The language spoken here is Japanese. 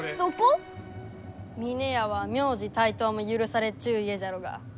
峰屋は名字帯刀も許されちゅう家じゃろうが。